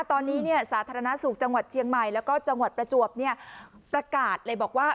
ตอนนี้สาธารณสุขจังหวัดเชียงใหม่แล้วก็จังหวัดประจวบประกาศเลยบอกว่า